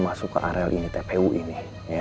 masuk ke areal ini tpu ini